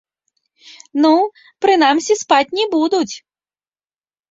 Ну, прынамсі спаць не будуць.